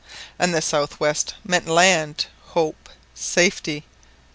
And the south west meant land—hope—safety!